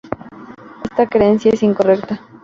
Esta creencia es incorrecta.